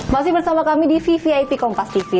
masih bersama kami di vvip kompas tv